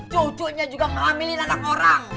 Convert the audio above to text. cucunya juga ngamilin anak orang